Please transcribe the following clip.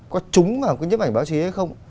có trúng vào cái nhấp ảnh báo chí hay không